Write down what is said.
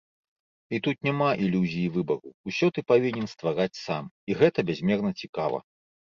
І тут няма ілюзіі выбару, усё ты павінен ствараць сам, і гэта бязмерна цікава.